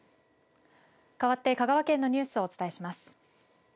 かわって香川県のニュースをお伝えします。